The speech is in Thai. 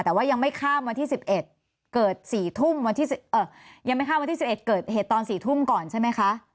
แต่ว่ายังไม่ข้ามวันที่๑๑เกิดเหตุตอน๔ทุ่มก่อนใช่ไหมคะ